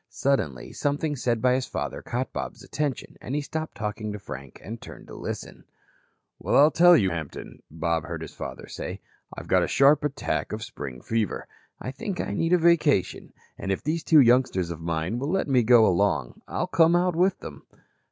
Suddenly, something said by his father caught Bob's attention, and he stopped talking to Frank and turned to listen. "Well, I'll tell you, Hampton," Bob heard his father say, "I've got a sharp attack of spring fever. I think I need a vacation. And if these two youngsters of mine will let me go along, I'll come out with them."